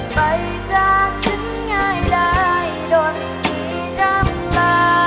ไปจากฉันง่ายโดนกี่นำลา